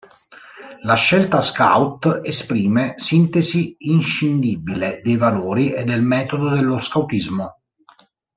La scelta scout esprime sintesi inscindibile dei valori e del metodo dello scautismo.